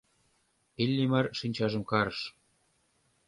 — Иллимар шинчажым карыш.